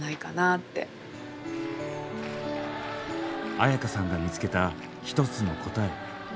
絢香さんが見つけた一つの答え。